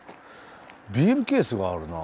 ビールケースがあるな。